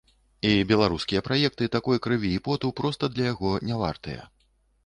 І беларускія праекты такой крыві і поту проста для яго не вартыя.